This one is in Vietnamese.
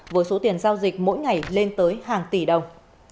với số tiền giao dịch mỗi ngày lên tới hàng tỷ đồng